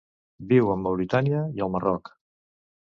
Viu a Mauritània i el Marroc.